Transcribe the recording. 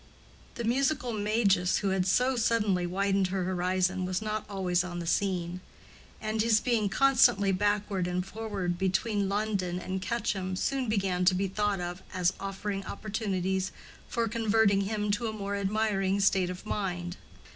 The musical Magus who had so suddenly widened her horizon was not always on the scene; and his being constantly backward and forward between London and Quetcham soon began to be thought of as offering opportunities for converting him to a more admiring state of mind.